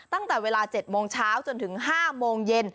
ตั้งแต่เวลา๗โมงเช้าจนถึง๕โมงเย็น